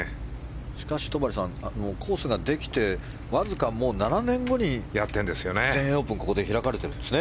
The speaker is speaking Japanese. しかし、戸張さんコースができてわずか７年後に全英オープンがここで開かれてるんですね。